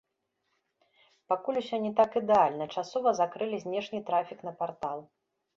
Пакуль усё не так ідэальна, часова закрылі знешні трафік на партал.